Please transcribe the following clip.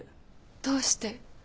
どうして。